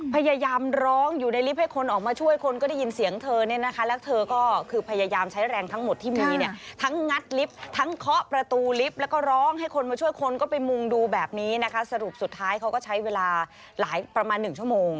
พยายามร้องอยู่ในลิฟต์ให้คนออกมาช่วยคนก็ได้ยินเสียงเธอเนี่ยนะคะแล้วเธอก็คือพยายามใช้แรงทั้งหมดที่มีเนี่ยทั้งงัดลิฟต์ทั้งเคาะประตูลิฟต์แล้วก็ร้องให้คนมาช่วยคนก็ไปมุงดูแบบนี้นะคะสรุปสุดท้ายเขาก็ใช้เวลาหลายประมาณ๑ชั่วโมง